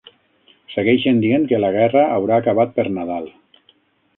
Segueixen dient que la guerra haurà acabat per Nadal.